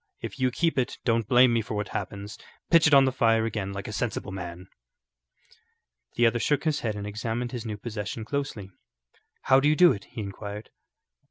If you keep it, don't blame me for what happens. Pitch it on the fire again like a sensible man." The other shook his head and examined his new possession closely. "How do you do it?" he inquired.